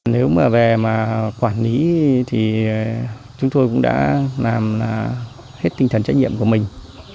nếu mà về mà quản lý thì chúng tôi cũng đã làm hết tinh thần trách nhiệm của mình